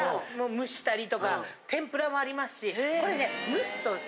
蒸したりとか天ぷらもありますしこれね。